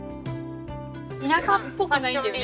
田舎っぽくないんだよね。